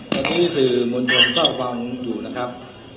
แล้วที่สื่อมวลชนก็ความอยู่นะครับ